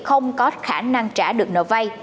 không có khả năng trả được nợ vay